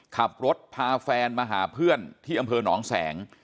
ขับรถพาแฟนมาหาเพื่อนที่อำเภอหนองแสง